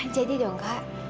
jadi dong kak